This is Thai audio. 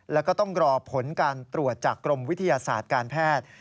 แล้วก็ต้องรอผลการตรวจจากกรมวิทยาศาสตร์การแพทย์